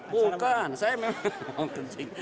bukan saya memang mau kencing